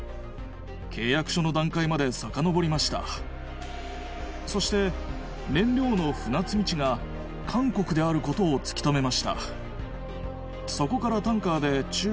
契約書の段階までさかのぼりましたそして燃料の船積み地が韓国であることを突き止めました